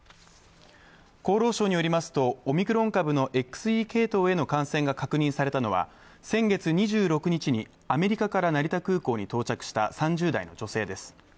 厚労省によりますと、オミクロン株のＸＥ系統への感染が確認されたのは先月２６日にアメリカから成田空港に到着した３０代の女性です。